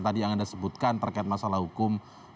tadi yang anda sebutkan terkait masalah hukum